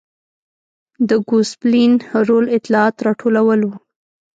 د ګوسپلین رول اطلاعات راټولول و.